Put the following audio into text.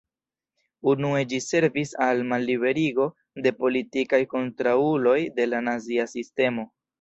Unue ĝi servis al malliberigo de politikaj kontraŭuloj de la nazia sistemo.